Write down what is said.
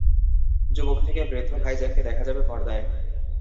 যুবক থেকে বৃদ্ধ ভাইজানকে দেখা যাবে পর্দায়।